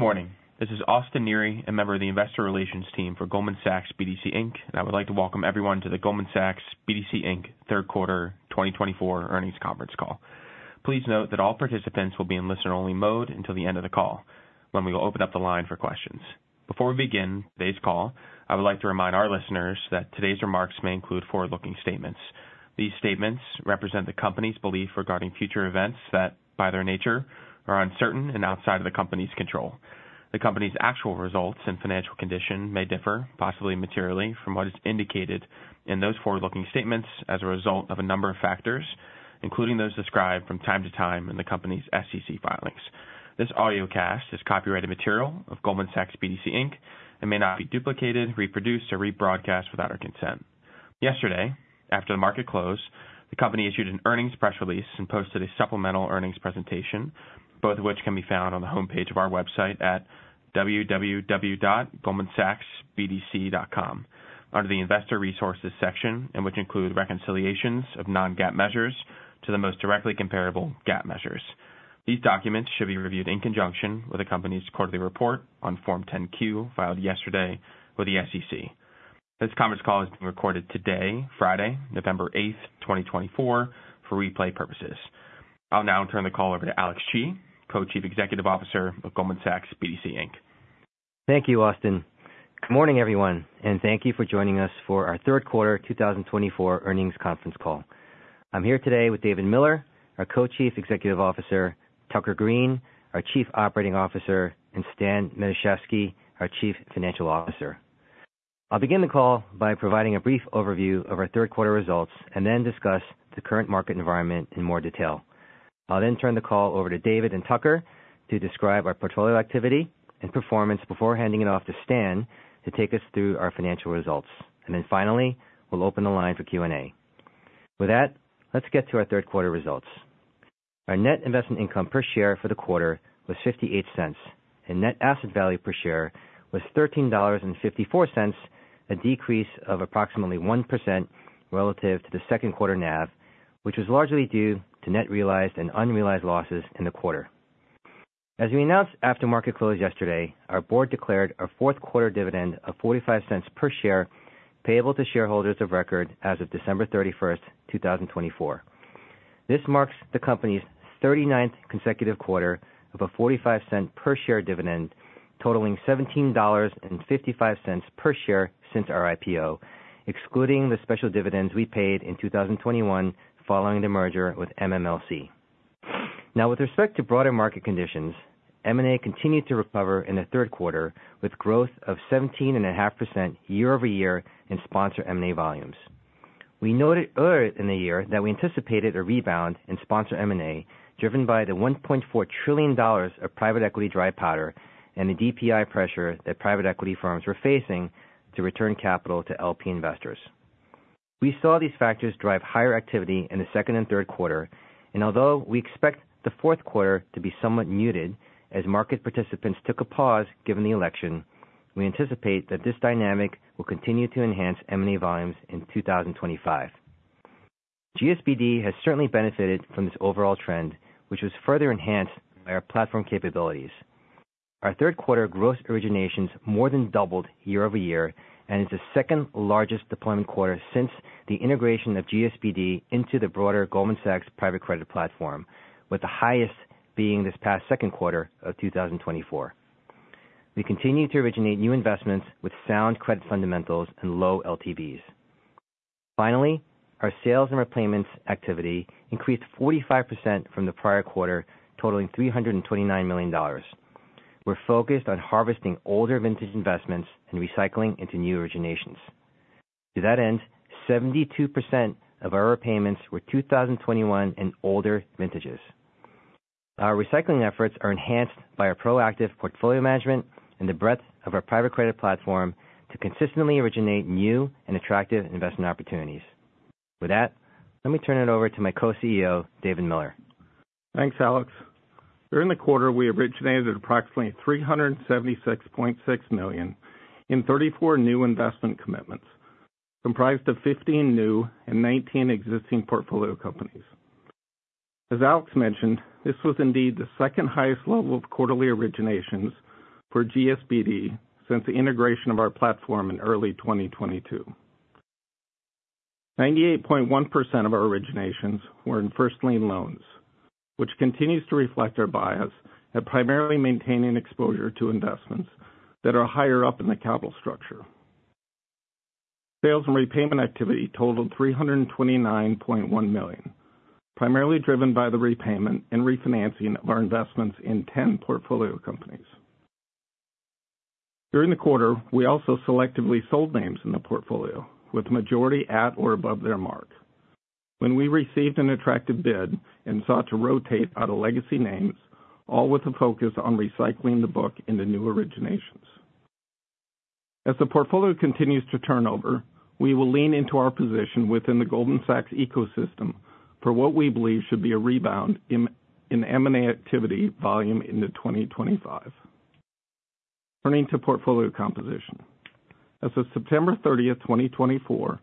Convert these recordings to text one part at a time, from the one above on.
Good morning. This is Austin Neri, a member of the investor relations team for Goldman Sachs BDC Inc., and I would like to welcome everyone to the Goldman Sachs BDC Inc. Third Quarter 2024 earnings conference call. Please note that all participants will be in listener-only mode until the end of the call, when we will open up the line for questions. Before we begin today's call, I would like to remind our listeners that today's remarks may include forward-looking statements. These statements represent the company's belief regarding future events that, by their nature, are uncertain and outside of the company's control. The company's actual results and financial condition may differ, possibly materially, from what is indicated in those forward-looking statements as a result of a number of factors, including those described from time to time in the company's SEC filings. This audio cast is copyrighted material of Goldman Sachs BDC Inc. and may not be duplicated, reproduced, or rebroadcast without our consent. Yesterday, after the market closed, the company issued an earnings press release and posted a supplemental earnings presentation, both of which can be found on the homepage of our website at www.goldmansachsbdc.com under the investor resources section, which include reconciliations of non-GAAP measures to the most directly comparable GAAP measures. These documents should be reviewed in conjunction with the company's quarterly report on Form 10-Q filed yesterday with the SEC. This conference call is being recorded today, Friday, November 8th, 2024, for replay purposes. I'll now turn the call over to Alex Chi, Co-Chief Executive Officer of Goldman Sachs BDC Inc. Thank you, Austin. Good morning, everyone, and thank you for joining us for our Third Quarter 2024 earnings conference call. I'm here today with David Miller, our Co-Chief Executive Officer, Tucker Greene, our Chief Operating Officer, and Stan Mashesky, our Chief Financial Officer. I'll begin the call by providing a brief overview of our third quarter results and then discuss the current market environment in more detail. I'll then turn the call over to David and Tucker to describe our portfolio activity and performance before handing it off to Stan to take us through our financial results. And then finally, we'll open the line for Q&A. With that, let's get to our third quarter results. Our net investment income per share for the quarter was $0.58, and net asset value per share was $13.54, a decrease of approximately 1% relative to the second quarter NAV, which was largely due to net realized and unrealized losses in the quarter. As we announced after market close yesterday, our board declared our fourth quarter dividend of $0.45 per share payable to shareholders of record as of December 31st, 2024. This marks the company's 39th consecutive quarter of a $0.45 per share dividend, totaling $17.55 per share since our IPO, excluding the special dividends we paid in 2021 following the merger with MMLC. Now, with respect to broader market conditions, M&A continued to recover in the third quarter with growth of 17.5% year over year in sponsor M&A volumes. We noted earlier in the year that we anticipated a rebound in sponsor M&A driven by the $1.4 trillion of private equity dry powder and the DPI pressure that private equity firms were facing to return capital to LP investors. We saw these factors drive higher activity in the second and third quarter, and although we expect the fourth quarter to be somewhat muted as market participants took a pause given the election, we anticipate that this dynamic will continue to enhance M&A volumes in 2025. GSBD has certainly benefited from this overall trend, which was further enhanced by our platform capabilities. Our third quarter gross originations more than doubled year over year and is the second largest deployment quarter since the integration of GSBD into the broader Goldman Sachs private credit platform, with the highest being this past second quarter of 2024. We continue to originate new investments with sound credit fundamentals and low LTVs. Finally, our sales and repayments activity increased 45% from the prior quarter, totaling $329 million. We're focused on harvesting older vintage investments and recycling into new originations. To that end, 72% of our repayments were 2021 and older vintages. Our recycling efforts are enhanced by our proactive portfolio management and the breadth of our private credit platform to consistently originate new and attractive investment opportunities. With that, let me turn it over to my co-CEO, David Miller. Thanks, Alex. During the quarter, we originated approximately $376.6 million in 34 new investment commitments comprised of 15 new and 19 existing portfolio companies. As Alex mentioned, this was indeed the second highest level of quarterly originations for GSBD since the integration of our platform in early 2022. 98.1% of our originations were in first lien loans, which continues to reflect our bias at primarily maintaining exposure to investments that are higher up in the capital structure. Sales and repayment activity totaled $329.1 million, primarily driven by the repayment and refinancing of our investments in 10 portfolio companies. During the quarter, we also selectively sold names in the portfolio with the majority at or above their mark. When we received an attractive bid and sought to rotate out of legacy names, all with a focus on recycling the book into new originations. As the portfolio continues to turnover, we will lean into our position within the Goldman Sachs ecosystem for what we believe should be a rebound in M&A activity volume into 2025. Turning to portfolio composition, as of September 30th, 2024,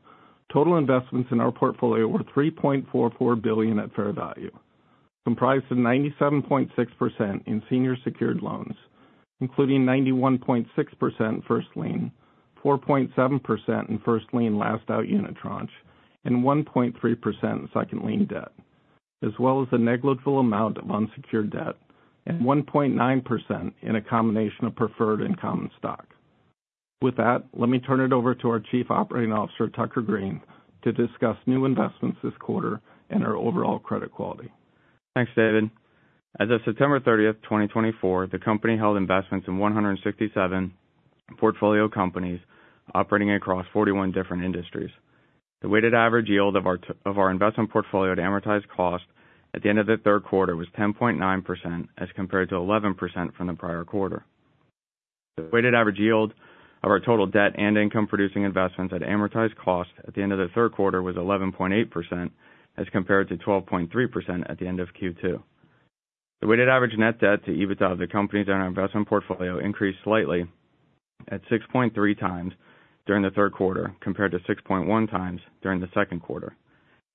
total investments in our portfolio were $3.44 billion at fair value, comprised of 97.6% in senior secured loans, including 91.6% first lien, 4.7% in first lien last out unitranche, and 1.3% in second lien debt, as well as a negligible amount of unsecured debt and 1.9% in a combination of preferred and common stock. With that, let me turn it over to our Chief Operating Officer, Tucker Greene, to discuss new investments this quarter and our overall credit quality. Thanks, David. As of September 30th, 2024, the company held investments in 167 portfolio companies operating across 41 different industries. The weighted average yield of our investment portfolio at amortized cost at the end of the third quarter was 10.9% as compared to 11% from the prior quarter. The weighted average yield of our total debt and income producing investments at amortized cost at the end of the third quarter was 11.8% as compared to 12.3% at the end of Q2. The weighted average net debt to EBITDA of the companies in our investment portfolio increased slightly at 6.3 times during the third quarter compared to 6.1 times during the second quarter.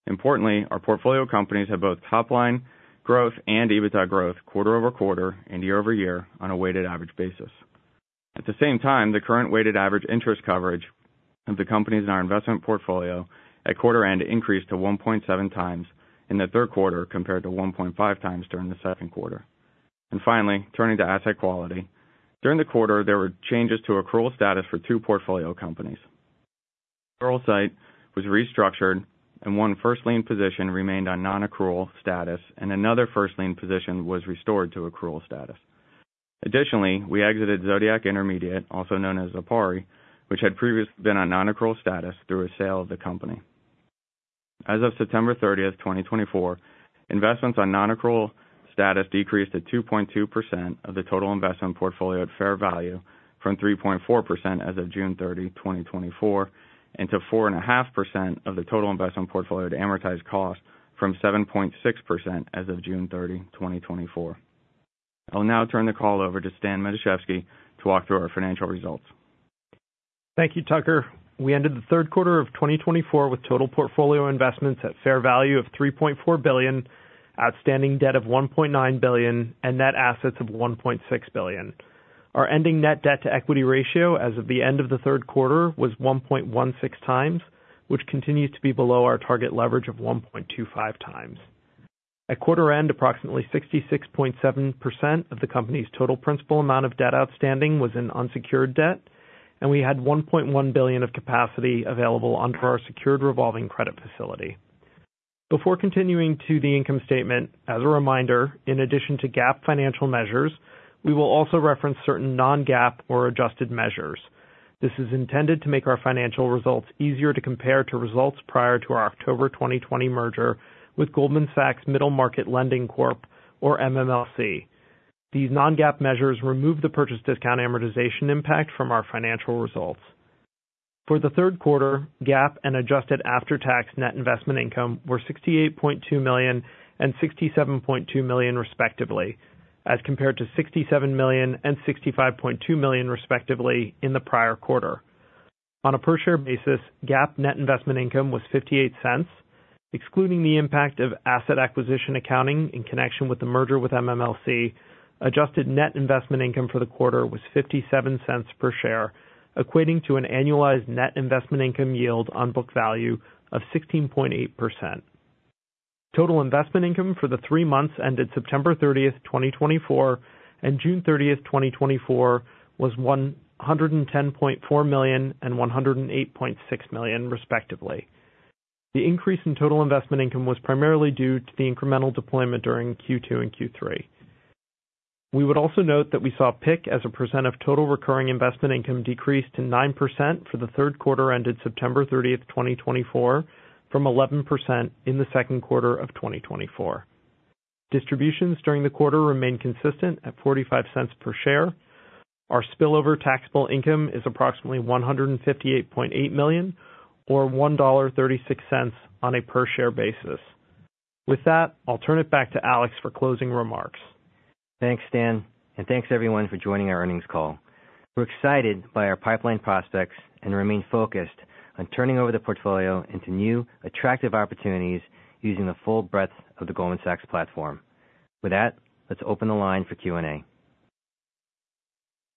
Importantly, our portfolio companies have both top line growth and EBITDA growth quarter over quarter and year over year on a weighted average basis. At the same time, the current weighted average interest coverage of the companies in our investment portfolio at quarter end increased to 1.7 times in the third quarter compared to 1.5 times during the second quarter, and finally, turning to asset quality, during the quarter, there were changes to accrual status for two portfolio companies. Pluralsight was restructured, and one first lien position remained on non-accrual status, and another first lien position was restored to accrual status. Additionally, we exited Zodiac Intermediate, also known as Zipari, which had previously been on non-accrual status through a sale of the company. As of September 30th, 2024, investments on non-accrual status decreased to 2.2% of the total investment portfolio at fair value from 3.4% as of June 30, 2024, and to 4.5% of the total investment portfolio at amortized cost from 7.6% as of June 30, 2024. I'll now turn the call over to Stan Mashesky to walk through our financial results. Thank you, Tucker. We ended the third quarter of 2024 with total portfolio investments at fair value of $3.4 billion, outstanding debt of $1.9 billion, and net assets of $1.6 billion. Our ending net debt to equity ratio as of the end of the third quarter was 1.16 times, which continues to be below our target leverage of 1.25 times. At quarter end, approximately 66.7% of the company's total principal amount of debt outstanding was in unsecured debt, and we had $1.1 billion of capacity available under our secured revolving credit facility. Before continuing to the income statement, as a reminder, in addition to GAAP financial measures, we will also reference certain non-GAAP or adjusted measures. This is intended to make our financial results easier to compare to results prior to our October 2020 merger with Goldman Sachs Middle Market Lending Corp. or MMLC. These non-GAAP measures remove the purchase discount amortization impact from our financial results. For the third quarter, GAAP and adjusted after-tax net investment income were $68.2 million and $67.2 million, respectively, as compared to $67 million and $65.2 million, respectively, in the prior quarter. On a per-share basis, GAAP net investment income was $0.58. Excluding the impact of asset acquisition accounting in connection with the merger with MMLC, adjusted net investment income for the quarter was $0.57 per share, equating to an annualized net investment income yield on book value of 16.8%. Total investment income for the three months ended September 30th, 2024, and June 30th, 2024, was $110.4 million and $108.6 million, respectively. The increase in total investment income was primarily due to the incremental deployment during Q2 and Q3. We would also note that we saw PIK as a percent of total recurring investment income decreased to 9% for the third quarter ended September 30th, 2024, from 11% in the second quarter of 2024. Distributions during the quarter remained consistent at $0.45 per share. Our spillover taxable income is approximately $158.8 million, or $1.36 on a per-share basis. With that, I'll turn it back to Alex for closing remarks. Thanks, Stan, and thanks everyone for joining our earnings call. We're excited by our pipeline prospects and remain focused on turning over the portfolio into new attractive opportunities using the full breadth of the Goldman Sachs platform. With that, let's open the line for Q&A.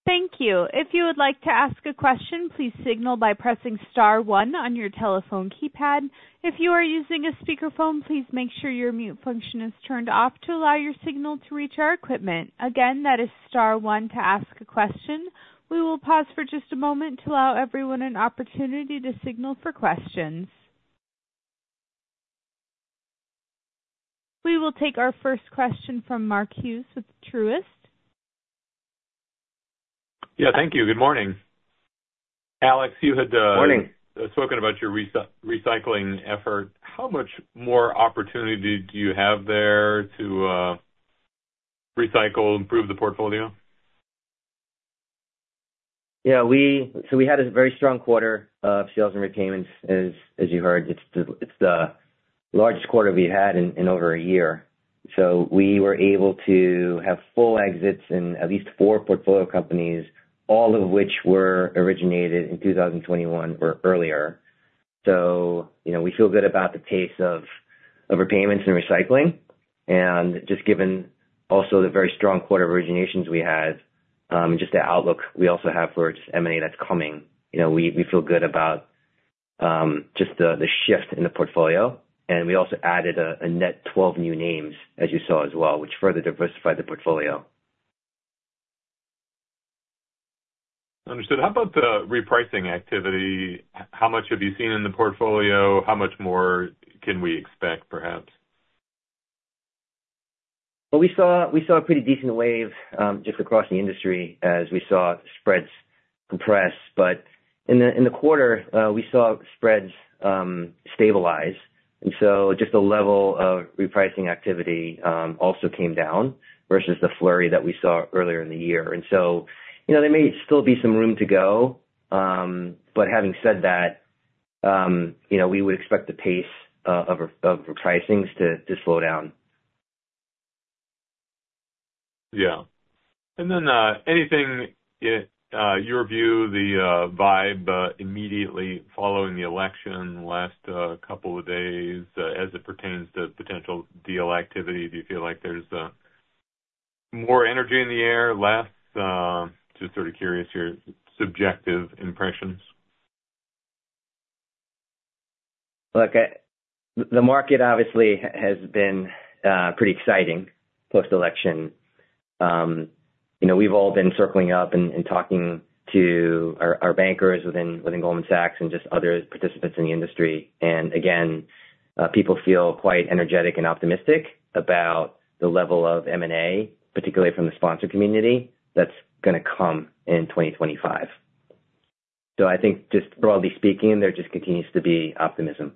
Thank you. If you would like to ask a question, please signal by pressing Star 1 on your telephone keypad. If you are using a speakerphone, please make sure your mute function is turned off to allow your signal to reach our equipment. Again, that is Star 1 to ask a question. We will pause for just a moment to allow everyone an opportunity to signal for questions. We will take our first question from Mark Hughes with Truist. Yeah, thank you. Good morning. Alex, you had. Good morning. spoken about your recycling effort. How much more opportunity do you have there to recycle, improve the portfolio? Yeah, we had a very strong quarter of sales and repayments, as you heard. It's the largest quarter we've had in over a year. So we were able to have full exits in at least four portfolio companies, all of which were originated in 2021 or earlier. So we feel good about the pace of repayments and recycling. And just given also the very strong quarter originations we had and just the outlook we also have for just M&A that's coming, we feel good about just the shift in the portfolio. And we also added a net 12 new names, as you saw as well, which further diversified the portfolio. Understood. How about the repricing activity? How much have you seen in the portfolio? How much more can we expect, perhaps? We saw a pretty decent wave just across the industry as we saw spreads compress. But in the quarter, we saw spreads stabilize. And so just the level of repricing activity also came down versus the flurry that we saw earlier in the year. And so there may still be some room to go. But having said that, we would expect the pace of repricings to slow down. Yeah. And then anything, your view, the vibe immediately following the election last couple of days as it pertains to potential deal activity? Do you feel like there's more energy in the air, less? Just sort of curious your subjective impressions. Look, the market obviously has been pretty exciting post-election. We've all been circling up and talking to our bankers within Goldman Sachs and just other participants in the industry. And again, people feel quite energetic and optimistic about the level of M&A, particularly from the sponsor community that's going to come in 2025. So I think just broadly speaking, there just continues to be optimism.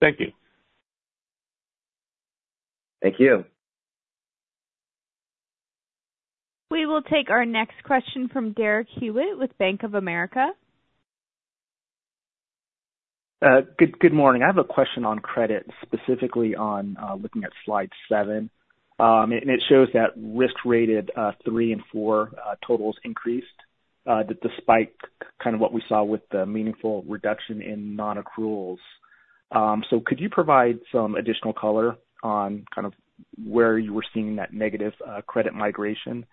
Thank you. Thank you. We will take our next question from Derek Hewett with Bank of America. Good morning. I have a question on credit, specifically on looking at slide seven, and it shows that risk-rated three and four totals increased despite kind of what we saw with the meaningful reduction in non-accruals, so could you provide some additional color on kind of where you were seeing that negative credit migration,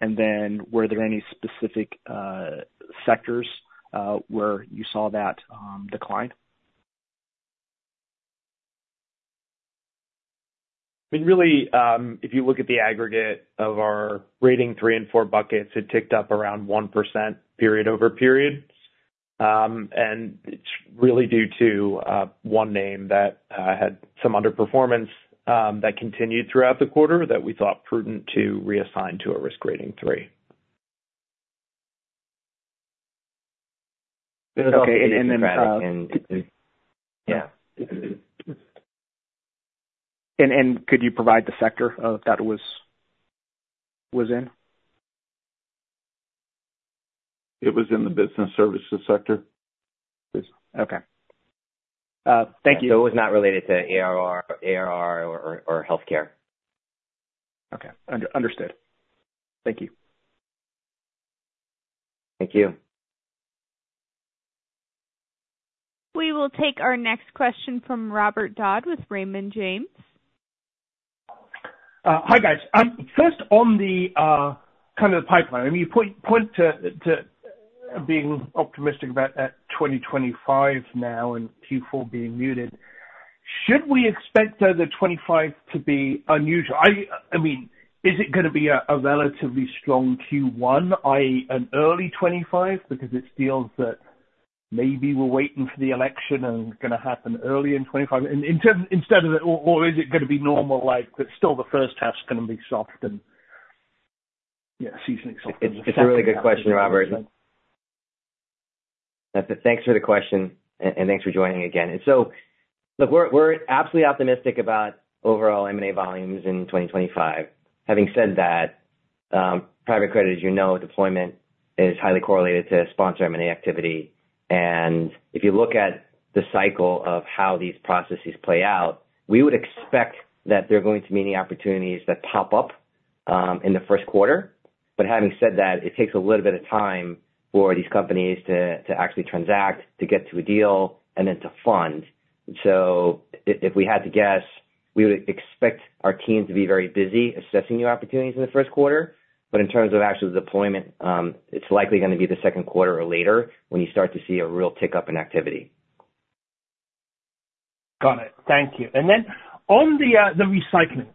and then were there any specific sectors where you saw that decline? I mean, really, if you look at the aggregate of our rating three and four buckets, it ticked up around 1% period over period. And it's really due to one name that had some underperformance that continued throughout the quarter that we thought prudent to reassign to a risk-rating three. Okay. And then. And then, yeah. And could you provide the sector that it was in? It was in the business services sector. Okay. Thank you. It was not related to ARR or healthcare. Okay. Understood. Thank you. Thank you. We will take our next question from Robert Dodd with Raymond James. Hi, guys. First, on the kind of the pipeline, I mean, you point to being optimistic about that 2025 now and Q4 being muted. Should we expect the 2025 to be unusual? I mean, is it going to be a relatively strong Q1, i.e., an early 2025, because it feels that maybe we're waiting for the election and it's going to happen early in 2025? Or is it going to be normal, like still the first half's going to be soft and, yeah, seasonally soft in the second? That's a good question, Robert. Thanks for the question, and thanks for joining again. And so look, we're absolutely optimistic about overall M&A volumes in 2025. Having said that, private credit, as you know, deployment is highly correlated to sponsor M&A activity. And if you look at the cycle of how these processes play out, we would expect that there are going to be many opportunities that pop up in the first quarter. But having said that, it takes a little bit of time for these companies to actually transact, to get to a deal, and then to fund. So if we had to guess, we would expect our teams to be very busy assessing new opportunities in the first quarter. But in terms of actual deployment, it's likely going to be the second quarter or later when you start to see a real tick up in activity. Got it. Thank you. And then on the recycling,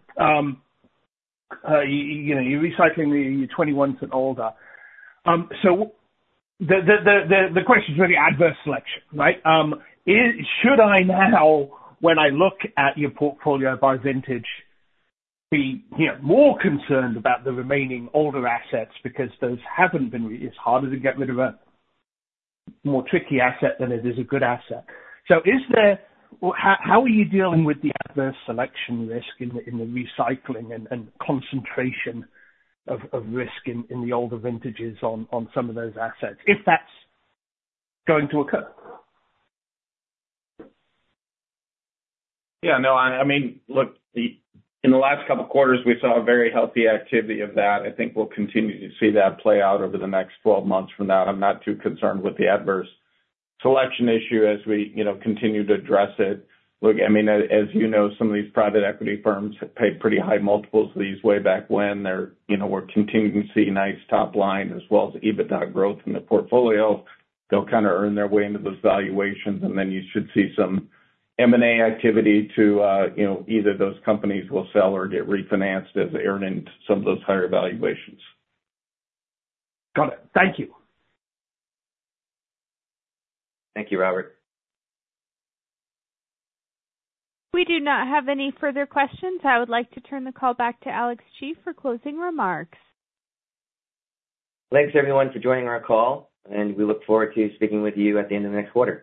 you're recycling the '21s and older. So the question is really adverse selection, right? Should I now, when I look at your portfolio by vintage, be more concerned about the remaining older assets because those haven't been. It's harder to get rid of a more tricky asset than it is a good asset? So how are you dealing with the adverse selection risk in the recycling and concentration of risk in the older vintages on some of those assets if that's going to occur? Yeah. No, I mean, look, in the last couple of quarters, we saw very healthy activity of that. I think we'll continue to see that play out over the next 12 months from now. I'm not too concerned with the adverse selection issue as we continue to address it. Look, I mean, as you know, some of these private equity firms have paid pretty high multiples of these way back when. We're continuing to see nice top line as well as EBITDA growth in the portfolio. They'll kind of earn their way into those valuations, and then you should see some M&A activity to either those companies will sell or get refinanced as they earn into some of those higher valuations. Got it. Thank you. Thank you, Robert. We do not have any further questions. I would like to turn the call back to Alex Chi for closing remarks. Thanks, everyone, for joining our call. And we look forward to speaking with you at the end of the next quarter.